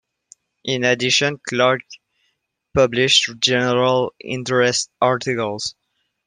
In addition, Clarke published general interest articles.